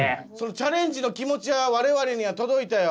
チャレンジの気持ちは我々には届いたよ。